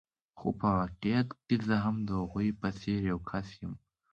خو په واقعیت کې زه هم د هغوی په څېر یو کس یم.